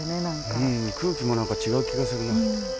空気も何か違う気がするね。